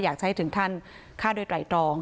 อยากจะให้ถึงขั้นฆ่าโดยไตรตรอง